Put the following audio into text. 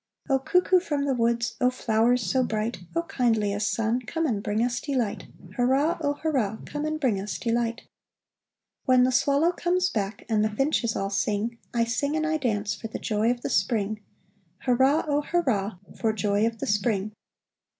Oh cuckoo from the woods, Oh flowers so bright, Oh, kindliest sun, Come and bring us delight! Hurrah, oh hurrah! Come and bring us delight! When the swallow comes back And the finches all sing, I sing and I dance For joy of the Spring. Hurrah, oh hurrah! For joy of the Spring.